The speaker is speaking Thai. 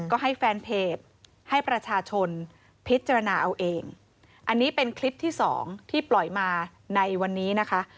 ก็ให้แฟนเพจให้ประชาชนพิจารณาเอาเองอันนี้เป็นคลิปที่สองที่ปล่อยมาในวันนี้นะคะ